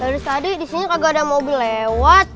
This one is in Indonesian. ya dari tadi disini kagak ada mobil lewat